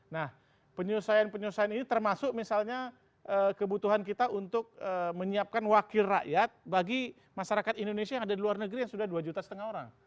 nah penyesuaian penyesuaian ini termasuk misalnya kebutuhan kita untuk menyiapkan wakil rakyat bagi masyarakat indonesia yang ada di luar negeri yang sudah dua juta setengah orang